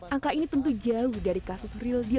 angka ini tentu jauh dari kasus berikutnya